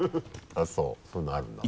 あっそうそういうのあるんだね。